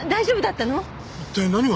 一体何が。